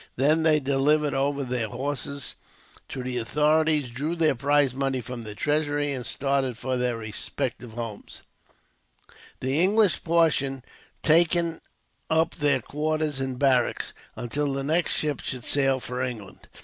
Then they delivered over their horses to the authorities, drew their prize money from the treasury, and started for their respective homes, the English portion taking up their quarters in barracks, until the next ship should sail for England.